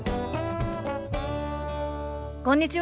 こんにちは。